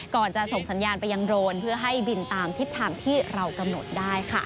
ก่อนจะส่งสัญญาณไปยังโรนเพื่อให้บินตามทิศทางที่เรากำหนดได้ค่ะ